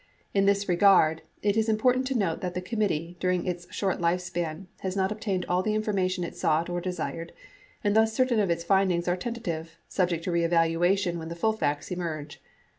In this regard, it is important to note that the committee, during its short lifespan, has not obtained all the information it sought or desired and thus certain of its findings are tentative, subject to reevaluation when the full facts emerge.